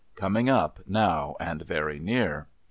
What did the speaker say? ' coming up, now, very near.